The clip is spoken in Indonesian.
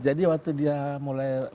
jadi waktu dia mulai berkumpul